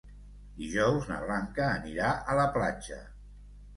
Dijous na Blanca anirà a la platja.